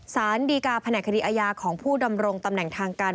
สารดีการแผนกคดีอาญาของผู้ดำรงตำแหน่งทางการ